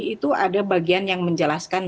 itu ada bagian yang menjelaskan